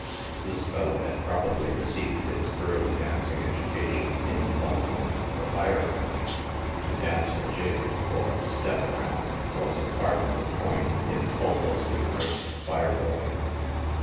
This fellow had probably received his early dancing educa tion in the bunk room of a fire company. To dance a jig or a " step around" was a cardinal point in a faultlessly nursed fire boy.